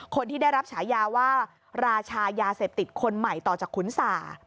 คนที่ได้รับฉายาว่าราชายาเสพติดคนใหม่ต่อจากขุนสา